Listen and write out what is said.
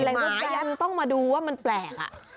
โอ้โฮมายันต้องมาดูว่ามันแปลก